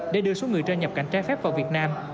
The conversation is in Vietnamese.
để đưa xuống người ra nhập cảnh trái phép vào việt nam